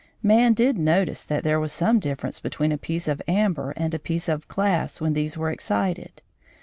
Man did notice that there was some difference between a piece of amber and a piece of glass when these were excited.